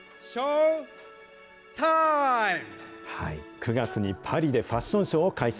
９月にパリでファッションショーを開催。